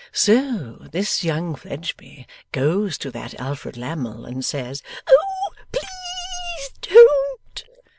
So this young Fledgeby goes to that Alfred Lammle and says ' 'Oh ple e e ease don't!